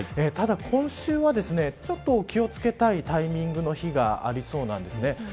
ただ、今週はちょっと気を付けたいタイミングの日がありそうです。